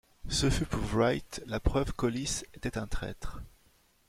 Ce fut pour Wright la preuve qu’Hollis était un traître.